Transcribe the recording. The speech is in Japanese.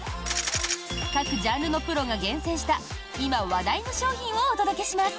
各ジャンルのプロが厳選した今話題の商品をお届けします。